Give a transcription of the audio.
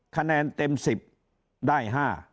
คะแนนเต็ม๑๐ได้๕